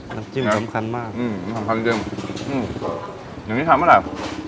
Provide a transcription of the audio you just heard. น้อยน้อยมากอืมงันทำคัญจริงอืมอย่างนี้ถามเมื่อไหร่